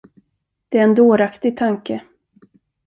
Det är en dåraktig tanke.